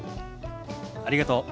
ありがとう。